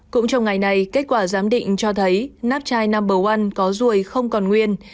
cũng trong ngày này kết quả giám định cho thấy nắp chai number one có ruồi không còn nguyên